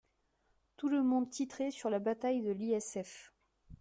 Tout le monde titrait sur « la bataille de l’ISF ».